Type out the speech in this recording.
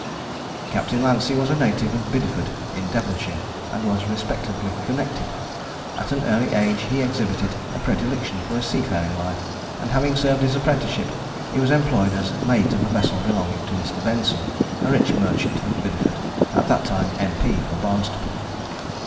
Captain Lancey was a native of Biddeford, in Devonshire, and was respectably connected. At an early age, he exhibited a predilection for a seafaring life, and having served his apprenticeship, he was employed as mate of a vessel belonging to Mr. Benson, a rich merchant of Biddeford, at that time M.P. for Barnstaple.